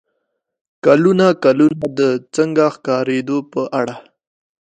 کلونه کلونه د "څنګه ښکارېدو" په اړه